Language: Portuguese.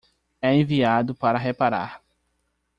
É enviado para reparar